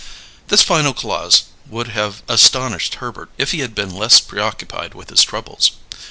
This final clause would have astonished Herbert if he had been less preoccupied with his troubles.